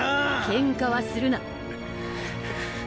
ケンカはするな。